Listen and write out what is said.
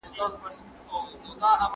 هغې په خپله وړه خوله کې یو خوږ مسکاک درلود.